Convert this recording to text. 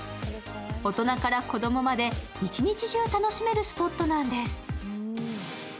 大人から子供まで一日中楽しめるスポットなんです。